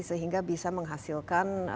sehingga bisa menghasilkan